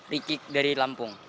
rikik dari lampung